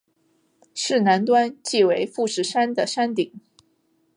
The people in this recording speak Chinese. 市南端即为富士山的山顶。